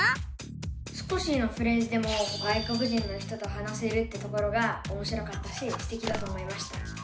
少しのフレーズでも外国人の人と話せるってところがおもしろかったしステキだと思いました。